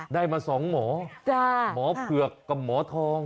ได้มา๒หมอหมอเผือกกับหมอทอง